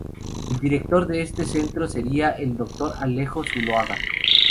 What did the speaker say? El Director de este Centro seria el Doctor Alejo Zuloaga.